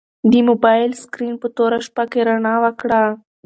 د موبایل سکرین په توره شپه کې رڼا وکړه.